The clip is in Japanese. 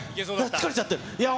疲れちゃってる。